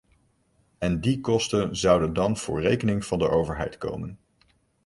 En die kosten zouden dan voor rekening van de overheid komen.